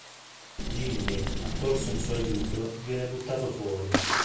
Jimmy, accorso in suo aiuto, viene buttato fuori.